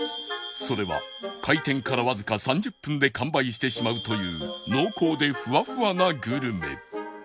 それは開店からわずか３０分で完売してしまうという濃厚でふわふわなグルメ